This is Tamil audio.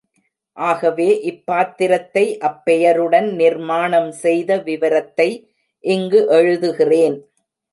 ஆகவே, இப்பாத்திரத்தை அப் பெயருடன் நிர்மாணம் செய்த விவரத்தை இங்கு எழுதுகிறேன்.